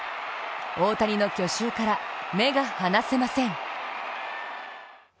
大谷の去就から目が離せません。